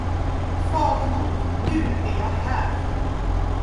Far och mor, nu är jag här!